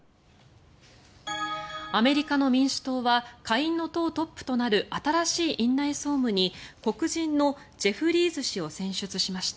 アメリカの民主党は下院の党トップとなる新しい院内総務に黒人のジェフリーズ氏を選出しました。